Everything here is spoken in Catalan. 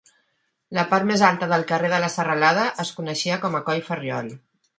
La part més alta del carrer de la Serralada es coneixia com a coll Ferriol.